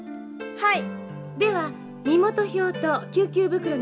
はい。